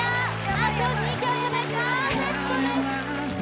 あと２曲でパーフェクトです